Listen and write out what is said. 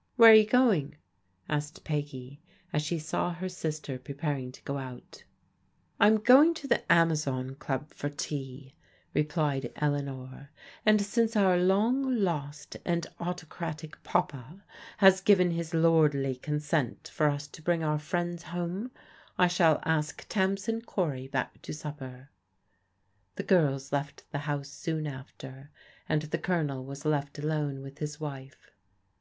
" Where are you going? " asked Peggy as she saw her sister preparing to go out. " I'm going to the Amazon Qub for tea," replied Elea nor, " and since our long lost and autocratic papa has given his lordly consent for us to bring our friends home, I shall ask Tamsin Cory back to supper." The girls left the house soon after, and the Colonel was left alone with his wife.